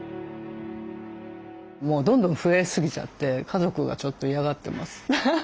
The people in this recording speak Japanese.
もうどんどん増えすぎちゃって家族がちょっと嫌がってます。